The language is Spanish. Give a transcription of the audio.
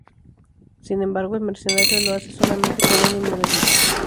Sin embargo, el mercenario lo hace solamente con ánimo de lucro.